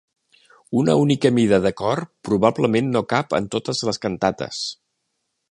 Una única mida de cor probablement no cap en totes les cantates.